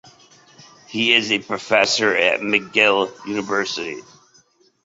He is a professor at McGill University.